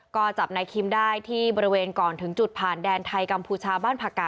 ก็จับนายคิมได้ที่บริเวณก่อนถึงจุดผ่านแดนไทยกัมพูชาบ้านผักกะ